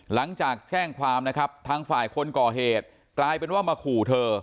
หลังจากแจ้งความนะครับทางฝ่ายคนก่อเหตุกลายเป็นว่ามาขู่เธอ